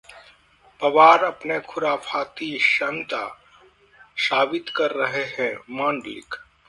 पवार अपनी 'खुराफाती' क्षमता साबित कर रहे हैं: मांडलिक